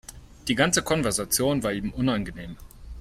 Die ganze Konversation war ihm unangenehm.